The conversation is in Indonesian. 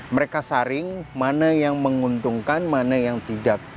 mereka saring mana yang menguntungkan mana yang tidak